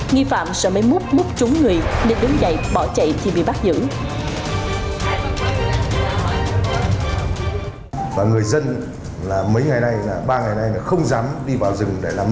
nghi phạm sợ mấy mút mút trúng người nên đứng dậy bỏ chạy thì bị bắt giữ